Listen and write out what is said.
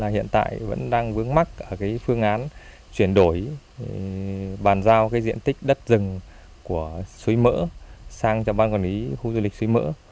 hiện tại vẫn đang vướng mắt ở phương án chuyển đổi bàn giao diện tích đất rừng của suối mỡ sang cho ban quản lý khu du lịch suối mỡ